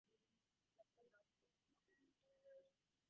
When the man does this, he is able to see.